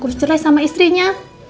urus cerai sama istrinya